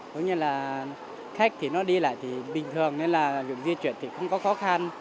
tuy nhiên là khách thì nó đi lại thì bình thường nên là việc di chuyển thì không có khó khăn